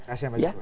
kasian pak jokowi